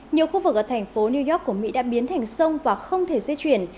nhiều khu vực ở thành phố new york của mỹ đã biến thành sông và không thể di chuyển